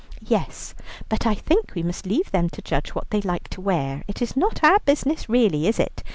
"Yes, but I think we must leave them to judge what they like to wear; it is not our business really, is it?